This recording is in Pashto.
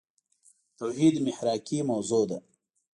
توحيد محراقي موضوع ده.